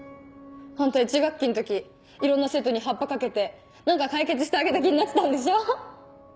あんた１学期ん時いろんな生徒にハッパかけて何か解決してあげた気になってたんでしょ？